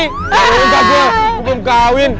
aku belum kawin